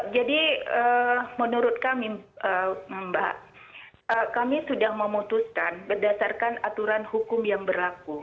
jadi menurut kami mbak kami sudah memutuskan berdasarkan aturan hukum yang berlaku